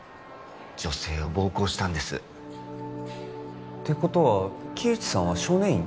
女性を暴行したんですてことは木内さんは少年院に？